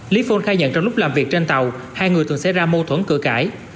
lý phun khai nhận trong lúc làm việc trên tàu hai người từng xảy ra mô thuẫn cửa cãi